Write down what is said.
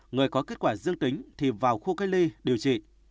người có kết quả dương tính thì vào khu cách ly điều trị